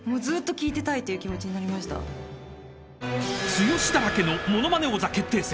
［「剛だらけのものまね王座決定戦」］